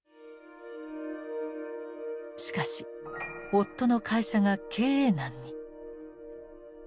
しかし夫の会社が経営難に。